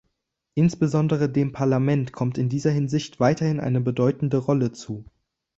Insbesondere dem Parlament kommt in dieser Hinsicht weiterhin eine bedeutende Rolle zu.